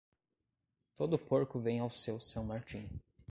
Todo porco vem ao seu San Martín.